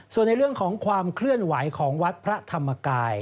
ส่วนในเรื่องของความเคลื่อนไหวของวัดพระธรรมกาย